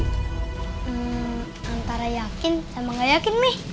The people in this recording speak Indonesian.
hmm antara yakin sama gak yakin nih